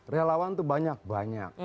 relawan tuh banyak banyak